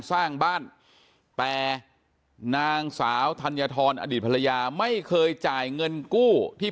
สร้างบ้านแต่นางสาวธัญฑรอดีตภรรยาไม่เคยจ่ายเงินกู้ที่